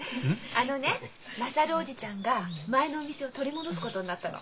あのね優叔父ちゃんが前のお店を取り戻すことになったの。